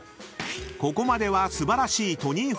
［ここまでは素晴らしいトニーフランク］